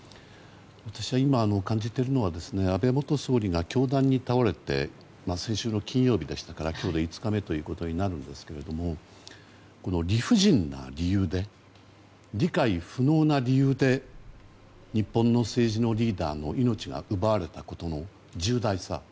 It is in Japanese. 私が今、感じているのは安倍元総理が凶弾に倒れて先週の金曜日でしたから今日で５日目となるんですが理不尽な理由で理解不能な理由で日本の政治のリーダーの命が奪われた事の重大さ。